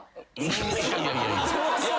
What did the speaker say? いやいやいやいや。